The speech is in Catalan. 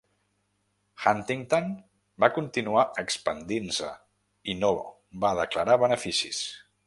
Huntington va continuar expandint-se i no va declarar beneficis.